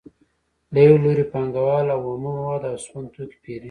له یو لوري پانګوال اومه مواد او سون توکي پېري